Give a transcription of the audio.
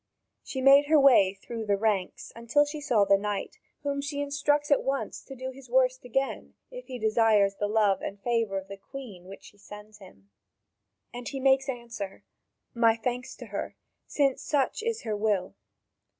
She made her way through the ranks until she saw the knight, whom she instructs at once to do his "worst" again, if he desires the love and favour of the Queen which she sends him. And he makes answer: "My thanks to her, since such is her will."